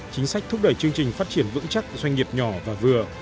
chính sách thúc đẩy chương trình phát triển vững chắc doanh nghiệp nhỏ và vừa